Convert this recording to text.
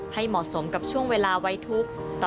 ให้เหมาะสมกับช่วงเวลาไว้ทุกข์